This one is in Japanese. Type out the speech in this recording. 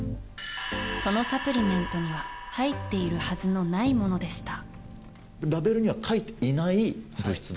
そのサプリメントには入っているはずのないものでした。